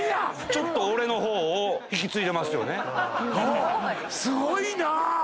ちょっと俺の方を引き継いでますよね。